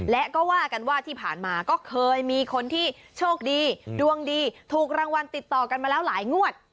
และก็ว่ากันว่าที่ผ่านมาก็เคยมีคนที่โชคดีดวงดีถูกรางวัลติดต่อกันมาแล้วหลายงวด